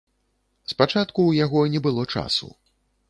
Спачатку ў яго не было часу.